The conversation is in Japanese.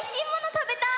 たべたい！